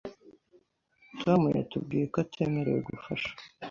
Tom yatubwiye ko atemerewe gufasha.